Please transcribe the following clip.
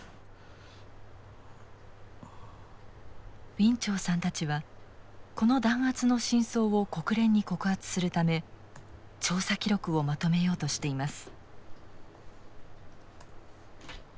ウィン・チョウさんたちはこの弾圧の真相を国連に告発するため調査記録をまとめようとしています。